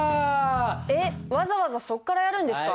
えっわざわざそこからやるんですか？